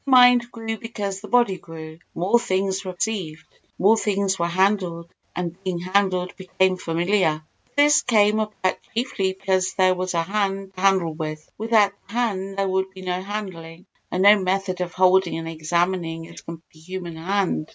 The mind grew because the body grew—more things were perceived—more things were handled, and being handled became familiar. But this came about chiefly because there was a hand to handle with; without the hand there would be no handling; and no method of holding and examining is comparable to the human hand.